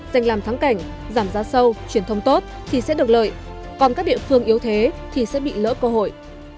dành làm thắng cảnh giảm giá sâu truyền thông tốt thì sẽ được lợi còn các địa phương yếu thế thì sẽ bị lỡ cơ hội